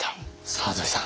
さあ土井さん。